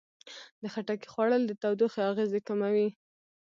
د خټکي خوړل د تودوخې اغېزې کموي.